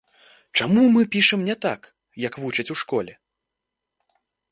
Чаму мы пішам не так, як вучаць у школе?